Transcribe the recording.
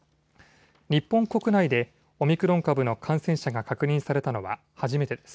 日本国内でオミクロン株の感染者が確認されたのは初めてです。